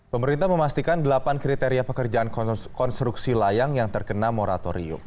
pemerintah memastikan delapan kriteria pekerjaan konstruksi layang yang terkena moratorium